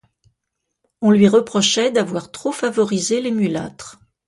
On lui reprochait d'avoir trop favorisé les mulâtres.